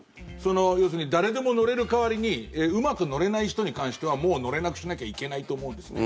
要するに誰でも乗れる代わりにうまく乗れない人に関してはもう乗れなくしなきゃいけないと思うんですね。